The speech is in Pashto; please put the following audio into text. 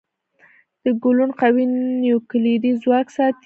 د ګلوون قوي نیوکلیري ځواک ساتي.